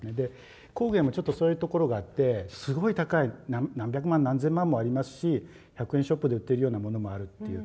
工芸もちょっとそういうところがあってすごい高い何百万何千万もありますし１００円ショップで売ってるようなものもあるっていう。